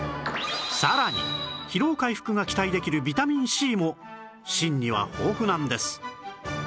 さらに疲労回復が期待できるビタミン Ｃ も芯には豊富なんです